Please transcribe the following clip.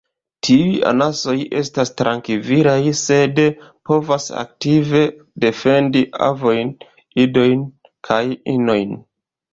Tiuj anasoj estas trankvilaj, sed povas aktive defendi ovojn, idojn kaj inojn.